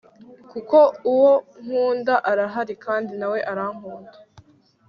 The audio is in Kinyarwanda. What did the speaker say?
kuko uwo nkunda arahari kandi nawe arankunda